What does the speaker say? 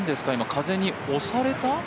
風に押された？